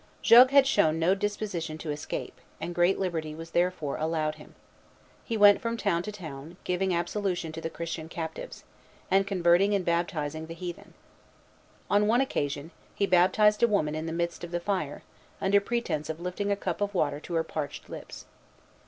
Jogues had shown no disposition to escape, and great liberty was therefore allowed him. He went from town to town, giving absolution to the Christian captives, and converting and baptizing the heathen. On one occasion, he baptized a woman in the midst of the fire, under pretence of lifting a cup of water to her parched lips.